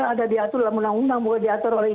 ada diaturlah undang undang bukan diatur oleh